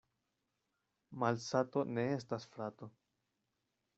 Malsato ne estas frato.